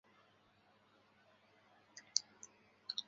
布辛根乡镇是唯一的使用瑞士法郎作为流通货币的德国地区。